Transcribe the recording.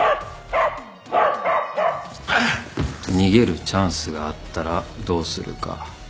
逃げるチャンスがあったらどうするか。